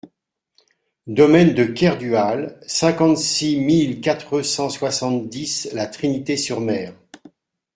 Domaine de Kerdual, cinquante-six mille quatre cent soixante-dix La Trinité-sur-Mer